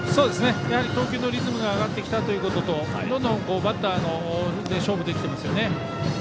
やはり投球のリズムが上がってきたということとどんどんバッターで勝負できていますよね。